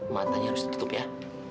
matanya harus ditutup ya